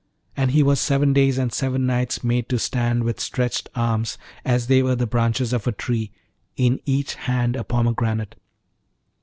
And he was seven days and seven nights made to stand with stretched arms, as they were the branches of a tree, in each hand a pomegranate.